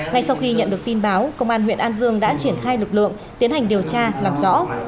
ngay sau khi nhận được tin báo công an huyện an dương đã triển khai lực lượng tiến hành điều tra làm rõ